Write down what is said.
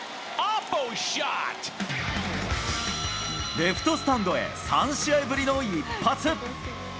レフトスタンドへ、３試合ぶりの一発。